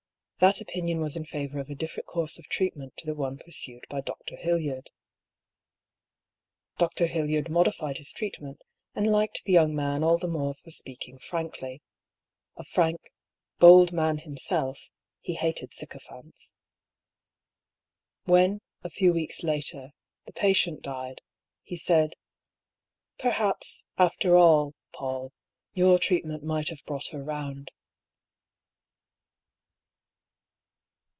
That opinion was in favour of a different course of treatment to the one pursued by Dr. Hildyard. Dr. Hildyard modified his treatment, and liked the young man all the more for speaking frankly. A frank, bold man himself, he hated sycophants. When, a few weeks later, the patient died, he said :" Perhaps, after all, PauU, your treatment might have brought her round."